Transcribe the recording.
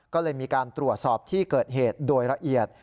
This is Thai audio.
ก็เลยมีการตรวจสอบที่เกิดเหตุโดยละเอียด